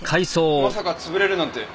まさか潰れるなんて。